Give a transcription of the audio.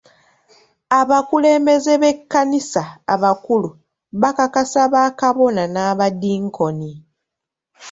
Abakulembeze b'ekkanisa abakulu bakakasa ba Kabona n'abadinkoni.